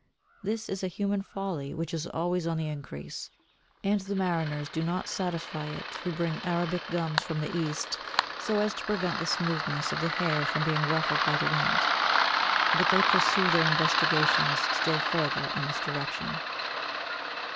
This is a human folly which is always on the increase, and the mariners do not satisfy it who bring arabic gums from the East, so as to prevent the smoothness of the hair from being ruffled by the wind, but they pursue their investigations still further in this direction.